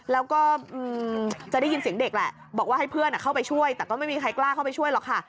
แล้วก็จะได้ยินเสียงเด็กแหละบอกว่าให้เพื่อนเข้าไปช่วยแต่ก็ไม่มีใครกล้าเข้าไปช่วยหรอกค่ะ